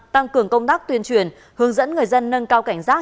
tăng cường công tác tuyên truyền hướng dẫn người dân nâng cao cảnh giác